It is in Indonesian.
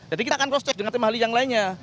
jadi kita akan cross check dengan tim ahli yang lainnya